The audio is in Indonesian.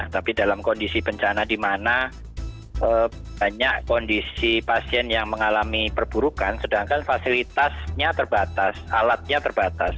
tapi dalam kondisi bencana di mana banyak kondisi pasien yang mengalami perburukan sedangkan fasilitasnya terbatas alatnya terbatas